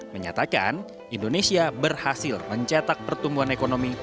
menyatakan indonesia berhasil mencetak pertumbuhan ekonomi